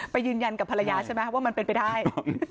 ยืนยันกับภรรยาใช่ไหมว่ามันเป็นไปได้